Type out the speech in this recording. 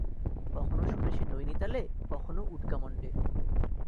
কখনো শোনে সে নৈনিতালে, কখনো উটকামণ্ডে।